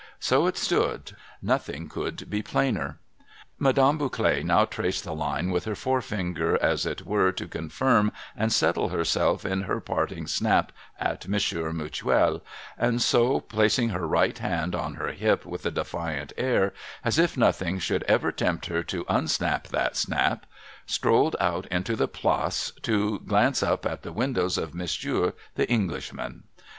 So it stood ; nothing could be plainer. Madame Bouclet now traced the line with her forefinger, as it were to confirm and settle herself in her parting snap at Monsieur Mutuel, and so placing her right hand on her hip with a defiant air, as if nothing should ever tempt her to unsnap that snap, strolled out into the Place to glance up at the windows of Mr. The English man.